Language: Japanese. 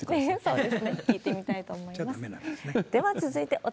そうですね、聞いてみたいと思います。